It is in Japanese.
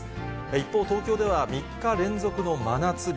一方、東京では３日連続の真夏日。